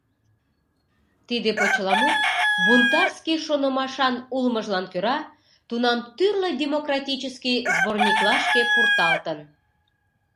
Тиде почеламут бунтарский шонымашан улмыжлан кӧра тунам тӱрлӧ демократический сборниклашке пурталтын.